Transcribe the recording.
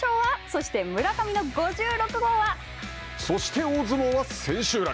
そして大相撲は千秋楽。